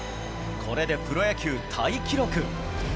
これでプロ野球タイ記録。